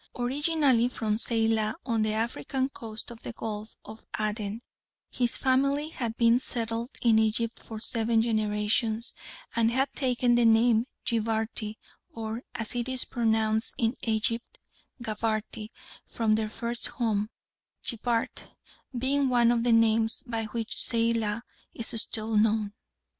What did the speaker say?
Originally from Zeilah on the African coast of the Gulf of Aden, his family had been settled in Egypt for seven generations, and had taken the name Jibarty, or, as it is pronounced in Egypt, Gabarty, from their first home, Jibart being one of the names by which Zeilah is still known.